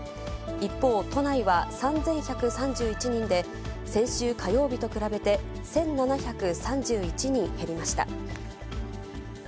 一方、都内は３１３１人で、先週火曜日と比べて１７３１人減りました。